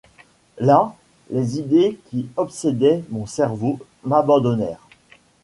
Là, les idées qui obsédaient mon cerveau m’abandonnèrent.